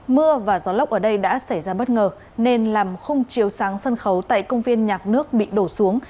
mưa và gió lốc ở đây đã xảy ra bất ngờ nên làm không chiều sáng sân khấu tại công viên nhạc nước bị đổ xuống